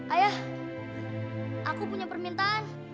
ayah aku punya permintaan